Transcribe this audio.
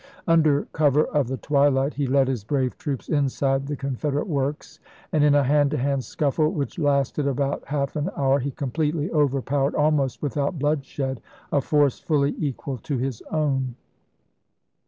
Under cover of the twilight he led his brave troops inside the Confederate works, and in a hand to hand scuffle, which lasted about half an hour, he completely over powered, almost without bloodshed, a force fully equal to his own.